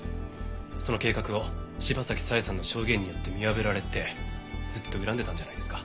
その計画を柴崎佐江さんの証言によって見破られてずっと恨んでたんじゃないですか？